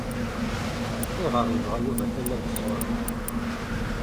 Ayɣer yebɣa Yuba tallalt sɣur-i?